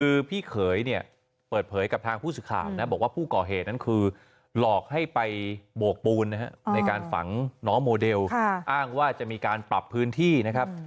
คือพี่เขยเนี่ยเปิดเผยกับทางผู้สื่อข่าวนะบอกว่าผู้ก่อเหตุนั้นคือหลอกให้ไปโบกปูนนะครับในการฝังน้องโมเดลอ้างว่าจะมีการปรับพื้นที่นะครับ